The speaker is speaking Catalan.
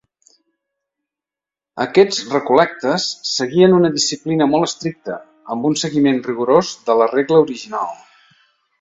Aquests recol·lectes seguien una disciplina molt estricta, amb un seguiment rigorós de la regla original.